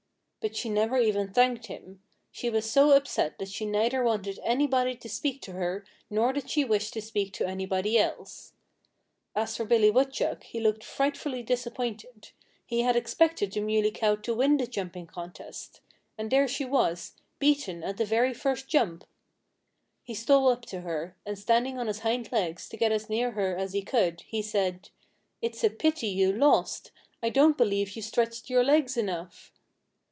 But she never even thanked him. She was so upset that she neither wanted anybody to speak to her nor did she wish to speak to anybody else. As for Billy Woodchuck, he looked frightfully disappointed. He had expected the Muley Cow to win the jumping contest. And there she was, beaten at the very first jump! He stole up to her; and standing on his hind legs, to get as near her as he could, he said, "It's a pity you lost! I don't believe you stretched your legs enough."